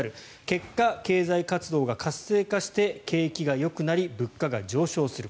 結果、経済活動が活性化して景気がよくなり物価が上昇する。